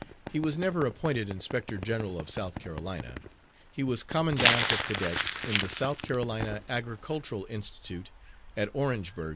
He was never appointed Inspector General of South Carolina. He was Commandant of Cadets in the South Carolina Agricultural Institute at Orangeburg, S.